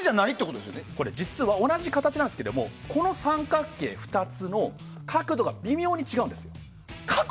実は同じ形なんですけどこの三角形２つの角度が微妙に違うんです。